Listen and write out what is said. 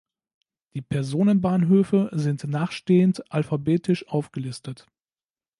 Die Personenbahnhöfe sind nachstehend alphabetisch aufgelistet.